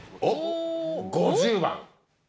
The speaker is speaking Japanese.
おっ５０番。